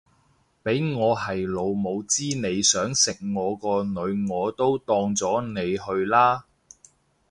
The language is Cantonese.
俾我係老母知你想食我個女我都擋咗你去啦